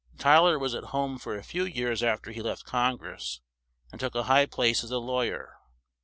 Ty ler was at home for a few years af ter he left Con gress, and took a high place as a law yer.